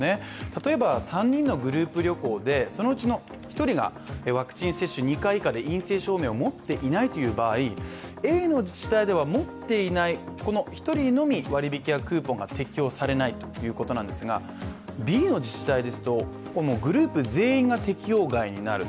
例えば３人のグループ旅行でそのうちの１人が、３回未接種だとか陰性証明を持っていない場合Ａの自治体では持っていない１人のみ割り引き、クーポンが適用されないんですが、Ｂの自治体ですと、グループ全員が適用外になる